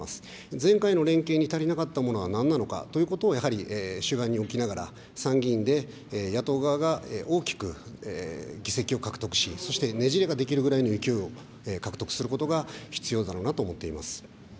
前回の連携に足りなかったものはなんなのかということをやはり主眼に置きながら、参議院で野党側が大きく議席を獲得し、そしてねじれが出来るぐらいの勢いを獲得することが、必要だろうなと思っています。